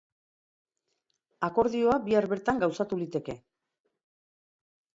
Akordioa bihar bertan gauzatu liteke.